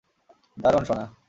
দারুণ, সোনা।